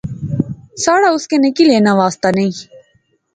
ساڑا اس کنے کی لینا واسطہ نئیں